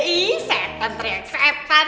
ih setan teriak setan